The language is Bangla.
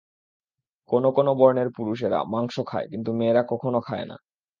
কোন কোন বর্ণের পুরুষেরা মাংস খায়, কিন্তু মেয়েরা কখনও খায় না।